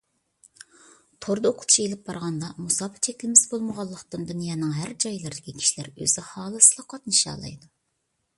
توردا ئوقۇتۇش ئېلىپ بارغاندا مۇساپە چەكلىمىسى بولمىغانلىقتىن، دۇنيانىڭ ھەر جايلىرىدىكى كىشىلەر ئۆزى خالىسىلا قاتنىشالايدۇ.